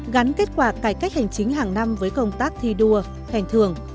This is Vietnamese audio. gắn kết quả cải cách hành chính hàng năm với công tác thi đua khen thường